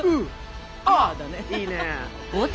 いいね。